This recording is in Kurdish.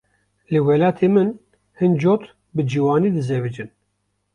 Li welatê min hin cot bi ciwanî dizewicin.